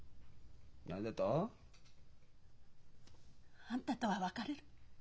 何だと？あんたとは別れる。